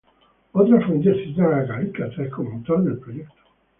Otras fuentes citan a Calícrates como autor del proyecto.